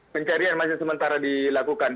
pencarian masih sementara dilakukan